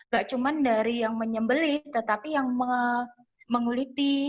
gak cuma dari yang menyembeli tetapi yang menguliti